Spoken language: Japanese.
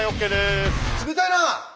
冷たいな！